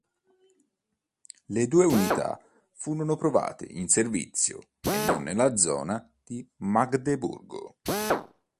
Le due unità furono provate in servizio e non nella zona di Magdeburgo.